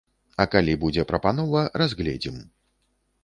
А калі будзе прапанова, разгледзім.